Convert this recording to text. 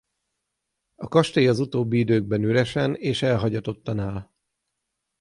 A kastély az utóbbi időkben üresen és elhagyatottan áll.